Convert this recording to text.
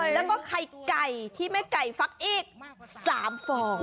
แล้วก็ไข่ไก่ที่แม่ไก่ฟักอีก๓ฟอง